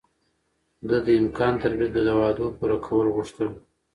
ده د امکان تر بريده د وعدو پوره کول غوښتل.